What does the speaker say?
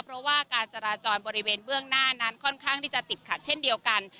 เพราะว่าการจราจรบริเวณเบื้องหน้านั้นค่อนข้างที่จะติดขัดเช่นเดียวกัน